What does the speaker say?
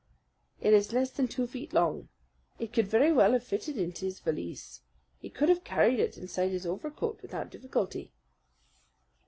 "It is less than two feet long. It could very well have fitted into his valise. He could have carried it inside his overcoat without difficulty."